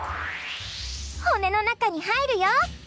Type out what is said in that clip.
骨の中にはいるよ！